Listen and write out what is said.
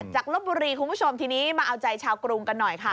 ลบบุรีคุณผู้ชมทีนี้มาเอาใจชาวกรุงกันหน่อยค่ะ